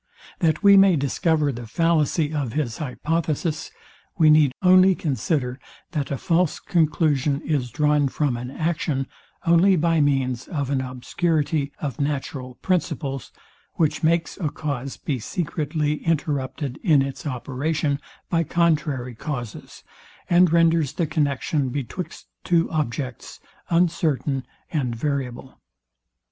That we may discover the fallacy of his hypothesis, we need only consider, that a false conclusion is drawn from an action, only by means of an obscurity of natural principles, which makes a cause be secretly interrupted In its operation, by contrary causes, and renders the connexion betwixt two objects uncertain and variable.